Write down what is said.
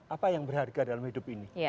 apa yang berharga dalam hidup ini